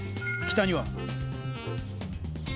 北には？